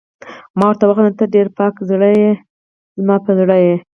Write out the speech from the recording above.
ما ورته وخندل: ته ډېره پاک زړه يې، زما په زړه یې.